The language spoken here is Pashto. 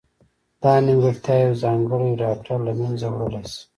دا نیمګړتیا یو ځانګړی ډاکټر له منځه وړلای شي.